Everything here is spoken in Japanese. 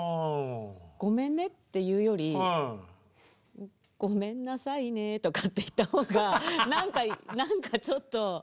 ごめんねって言うよりごめんなさいねとかって言った方が何か何かちょっと。